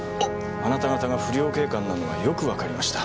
あなた方が不良警官なのはよくわかりました。